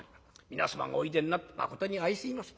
皆様がおいでになって『まことに相すいません。